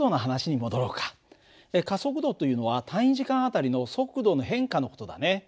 加速度というのは単位時間あたりの速度の変化の事だね。